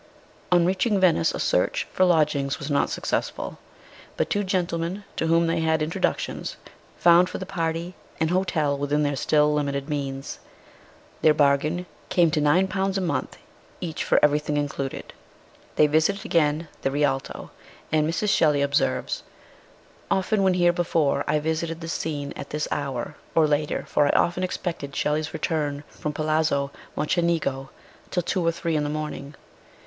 On reaching Venice a search for lodgings was not successful; but two gentlemen, to whom they had introductions, found for the party an hotel within their still limited means ; their bargain came to 9 a month each for everything included. They visited again the Rialto, and Mrs. Shelley observes :" Often when here before, I visited this scene at this hour, or later, for often I expected Shelley's return from Palazzo Mocenigo till two or three in the morning.